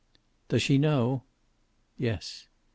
"Does she know?" "Yes."